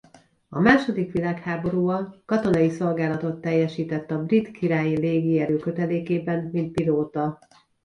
A második világháborúban katonai szolgálatot teljesített a Brit Királyi Légierő kötelékében mint pilóta.